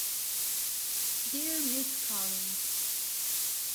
Dear Ms Collins.